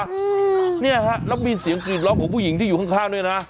อืมเนี่ยฮะแล้วมีเสียงกรีดร้องของผู้หญิงที่อยู่ข้างข้างด้วยนะ